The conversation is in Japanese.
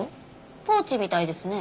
ポーチみたいですね。